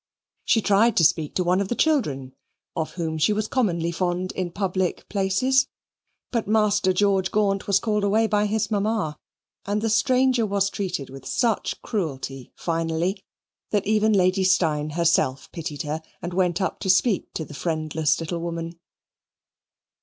She tried to speak to one of the children (of whom she was commonly fond in public places), but Master George Gaunt was called away by his mamma; and the stranger was treated with such cruelty finally, that even Lady Steyne herself pitied her and went up to speak to the friendless little woman.